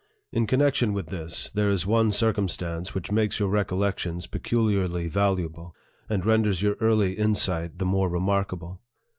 In connection with this, there is one circumstance which makes your recollections peculiarly valuable, and renders your early insight the more remarkable.